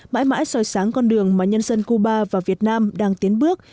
mãi mãi soi sáng con đường mà nhân dân cuba và việt nam đang tiến bước